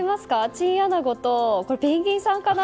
チンアナゴとペンギンさんかな。